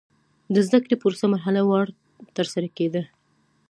د زده کړې پروسه مرحله وار ترسره کېده.